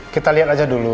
kita lihat aja dulu